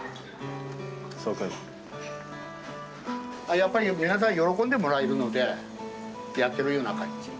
やっぱり皆さん喜んでもらえるのでやってるような感じ。